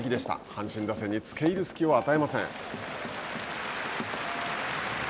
阪神打線につけいる隙を与えません。